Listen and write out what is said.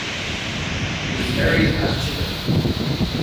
He was buried at Chippenham.